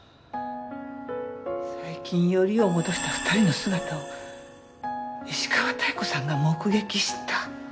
最近よりを戻した２人の姿を石川妙子さんが目撃した。